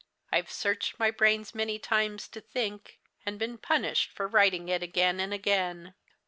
I've searched my brains many times to think; and been punished for writing it again and again.